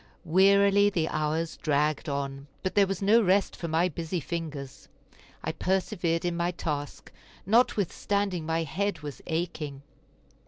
Wearily the hours dragged on, but there was no rest for my busy fingers. I persevered in my task, notwithstanding my head was aching.